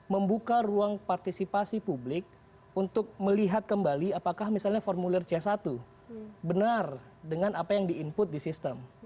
membuka ruang partisipasi publik untuk melihat kembali apakah misalnya formulir c satu benar dengan apa yang di input di sistem